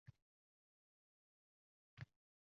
Nevaramga – bobo.